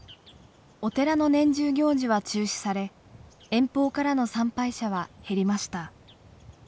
お寺の年中行事は中止され遠方からの参拝者は減りました。